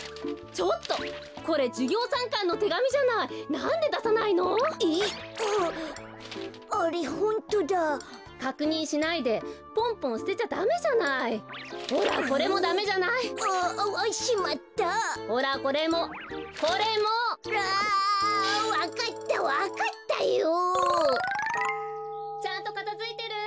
・ちゃんとかたづいてる？